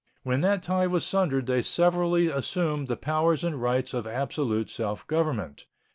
When that tie was sundered they severally assumed the powers and rights of absolute self government.